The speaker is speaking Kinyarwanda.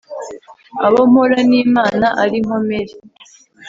Abo mpora nimana ari nkomeri